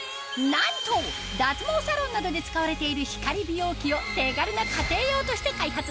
なんと脱毛サロンなどで使われている光美容器を手軽な家庭用として開発